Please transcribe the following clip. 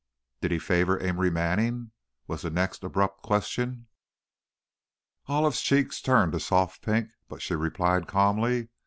"Did he favor Amory Manning?" was the next abrupt question. Olive's cheeks turned a soft pink, but she replied calmly.